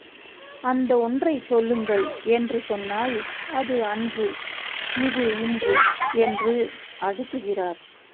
அந்த ஒன்றைச் சொல்லுங்கள் என்று சொன்னால், அது அன்று இது இன்று என்று அடுக்குகிறார்.